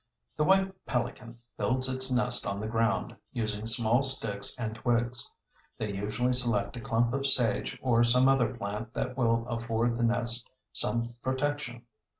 The White Pelican builds its nest on the ground using small sticks and twigs. They usually select a clump of sage or some other plant that will afford the nest some protection.